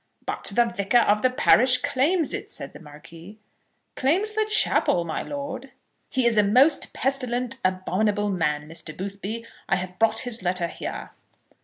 "But the Vicar of the parish claims it," said the Marquis. "Claims the chapel, my lord!" "He is a most pestilent, abominable man, Mr. Boothby. I have brought his letter here."